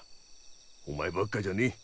お前ばっかじゃねえ。